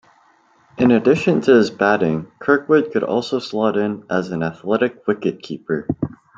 In addition to his batting, Kirkwood could also slot in as an athletic wicket-keeper.